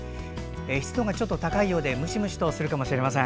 湿度がちょっと高いようでムシムシするかもしれません。